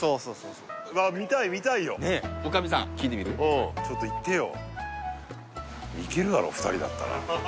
うんちょっと行ってよ